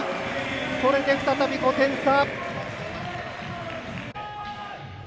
これで再び５点差。